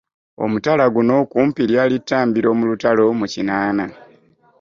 Omutala guno kumpi lyali ttambiro mu lutalo mu kinaana.